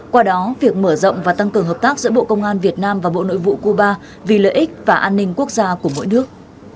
qua đó việc mở rộng và tăng cường hợp tác giữa bộ công an việt nam và bộ nội vụ cuba vì lợi ích và an ninh quốc gia của mỗi nước